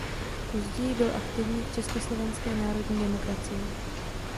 Později byl aktivní v Československé národní demokracii.